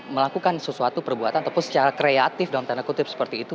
melakukan sesuatu perbuatan ataupun secara kreatif dalam tanda kutip seperti itu